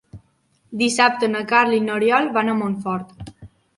Dissabte na Carla i n'Oriol van a Montfort.